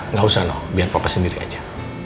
nggak usah noh biar papa sendiri aja